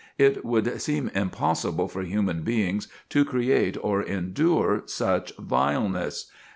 It would seem impossible for human beings to create or endure such vileness.